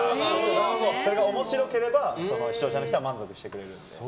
それが面白ければ視聴者の方は満足してくれるので。